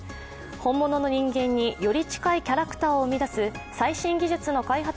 本物の人間により近いキャラクターを生み出す最新技術の開発